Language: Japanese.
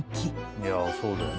いやそうだよね。